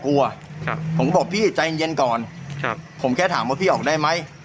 กลัวครับผมก็บอกพี่ใจเย็นเย็นก่อนครับผมแค่ถามว่าพี่ออกได้ไหม